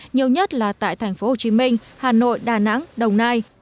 nhiều nhất là tại thành phố hồ chí minh hà nội đà nẵng đồng nai